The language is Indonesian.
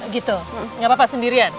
gitu nggak apa apa sendirian